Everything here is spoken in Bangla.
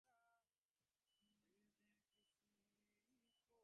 এখন উভয়ে এক স্থানে পৌঁছিতেছেন।